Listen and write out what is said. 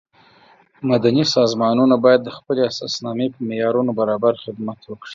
مدني سازمانونه باید د خپلې اساسنامې په معیارونو برابر خدمت وکړي.